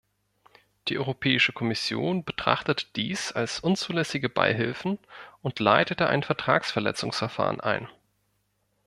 Die Europäische Kommission betrachtete dies als unzulässige Beihilfen und leitete ein Vertragsverletzungsverfahren ein.